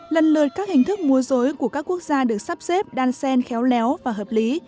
lần lượt các hình thức mua dối của các quốc gia được sắp xếp đan sen khéo léo và hợp lý